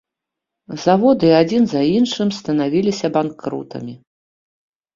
Заводы адзін за іншым станавіліся банкрутамі.